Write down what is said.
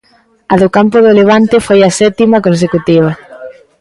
A do campo do Levante foi a sétima consecutiva.